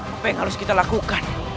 apa yang harus kita lakukan